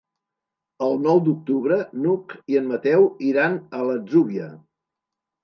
El nou d'octubre n'Hug i en Mateu iran a l'Atzúbia.